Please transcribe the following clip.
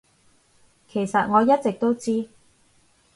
其實我一直都知